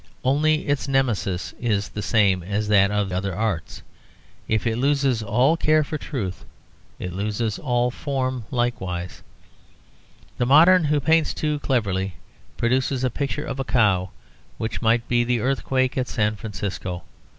Only its Nemesis is the same as that of other arts: if it loses all care for truth it loses all form likewise. The modern who paints too cleverly produces a picture of a cow which might be the earthquake at San Francisco.